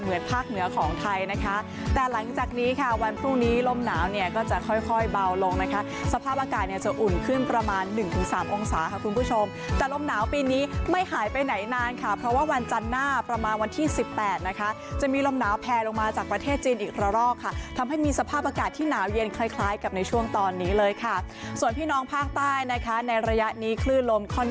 เหมือนภาคเหนือของไทยนะคะแต่หลังจากนี้ค่ะวันพรุ่งนี้ลมหนาวก็จะค่อยเบาลงนะคะสภาพอากาศจะอุ่นขึ้นประมาณหนึ่งถึงสามองศาค่ะคุณผู้ชมแต่ลมหนาวปีนี้ไม่หายไปไหนนานค่ะเพราะว่าวันจันทร์หน้าประมาณวันที่สิบแปดนะคะจะมีลมหนาวแพลลงมาจากประเทศจีนอีกละรอกค่ะทำให้มีสภาพอากาศที่หนาวเย็น